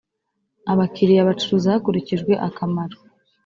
abakiliya bacuruza hakurikijwe akamaro.